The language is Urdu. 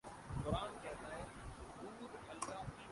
اور ہمارے کھلاڑیوں نے بھی ہمیں مایوس نہیں کیا